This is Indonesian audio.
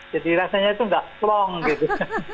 jadi rasanya itu nggak long gitu